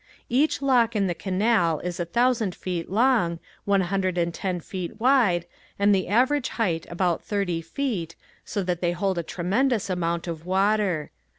Each lock in the canal is a thousand feet long, one hundred and ten feet wide, and the average height about thirty feet, so they hold a tremendous amount of water.